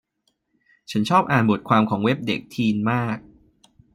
ฉันชอบอ่านบทความของเว็บเด็กทีนมาก